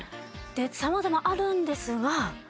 さまざまあるんですが。